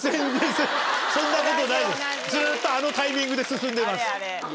ずっとあのタイミングで進んでます。